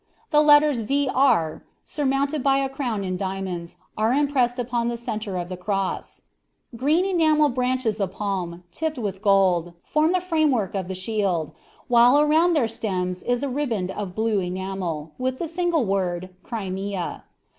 The letters V. R., surmounted by a crown in diamonds, are impressed upon the centre of the cross. Green enamel branches of palm, tipped with gold, form the framework of the shield, while around their stems is a riband of the blue enamel with the single word "Crimea."